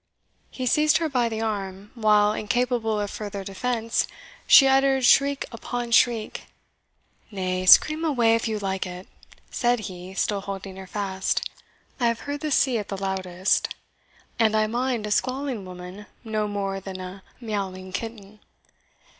He seized her by the arm, while, incapable of further defence, she uttered shriek upon shriek. "Nay, scream away if you like it," said he, still holding her fast; "I have heard the sea at the loudest, and I mind a squalling woman no more than a miauling kitten.